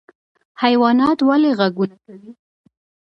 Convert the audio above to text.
حیوانات ولې غږونه کوي؟